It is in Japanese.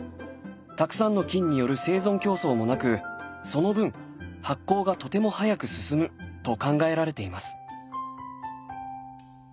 たくさんの菌による生存競争もなくその分発酵がとても速く進むと考えられています。